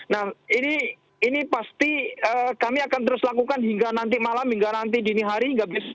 nah ini pasti kami akan terus lakukan hingga nanti malam hingga nanti dini hari